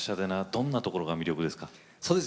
どんなところが魅力ですか？